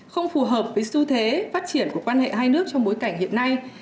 không phù hợp với xu thế phát triển của quan hệ hai nước trong bối cảnh hiện nay